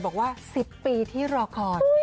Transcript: บอกว่า๑๐ปีที่รอคอย